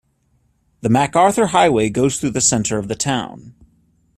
The MacArthur Highway goes through the center of the town.